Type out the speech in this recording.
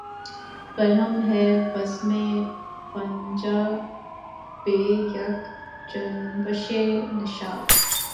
برہم ہے بزمِ غنچہ بہ یک جنبشِ نشاط